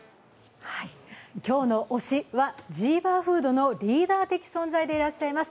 今日の推しは、ジーバーフードのリーダー的存在でいらっしゃいます